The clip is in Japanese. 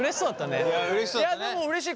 いやでもうれしい。